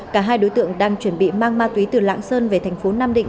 cả hai đối tượng đang chuẩn bị mang ma túy từ lạng sơn về thành phố nam định